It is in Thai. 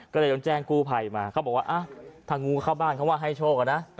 ก็เลยต้องแจ้งกู้ภัยมาเขาบอกว่าถ้างูเข้าบ้านเขาว่าให้โชคอะนะ